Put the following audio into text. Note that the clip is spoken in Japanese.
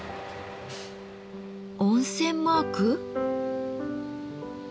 温泉マーク？